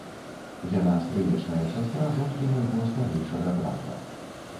Яна стрыечная сястра жонкі майго старэйшага брата.